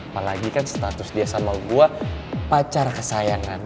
apalagi kan status dia sama gue pacar kesayangan